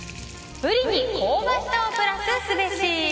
ブリに香ばしさをプラスすべし。